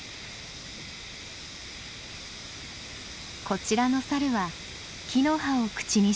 こちらのサルは木の葉を口にしました。